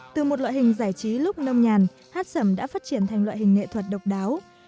từ một loại hình giải trí lúc nông nhàn hát sẩm đã phát triển thành loại hình nghệ thuật độc đáo